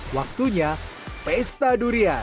waktunya pesta durian